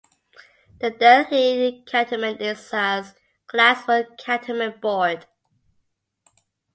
The Delhi Cantonment is as Class One Cantonment Board.